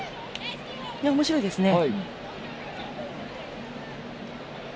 おもしろいですね。